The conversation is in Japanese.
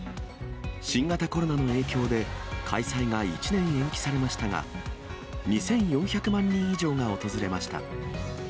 新型コロナの影響で、開催が１年延期されましたが、２４００万人以上が訪れました。